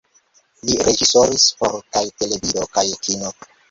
Li reĝisoris por kaj televido kaj kino.